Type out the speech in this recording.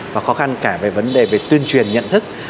và khó khăn cả về vấn đề về tuyên truyền nhận thức